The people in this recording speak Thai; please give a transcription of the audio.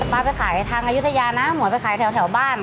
๊าไปขายทางอายุทยานะหมวยไปขายแถวบ้าน